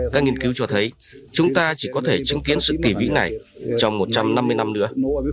các nghiên cứu cho thấy chúng ta chỉ có thể chứng kiến sự kỳ vĩ này trong một trăm năm mươi năm nữa